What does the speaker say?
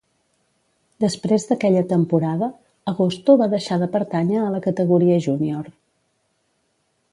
Després d'aquella temporada, Agosto va deixar de pertànyer a la categoria júnior.